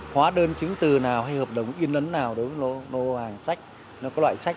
hóa đơn chứng tử nào hay hợp đồng in ấn nào đối với loại sách